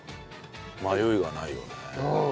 迷いがないよね。